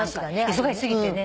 忙しすぎてね。